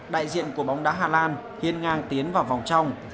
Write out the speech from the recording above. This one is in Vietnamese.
đại diện của bóng đá hà lan hiên ngang tiến vào vòng trong